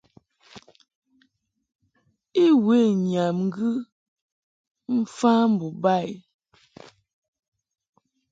I we nyam ŋgɨ mfa mbo ba i.